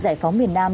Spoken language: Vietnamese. giải phóng miền nam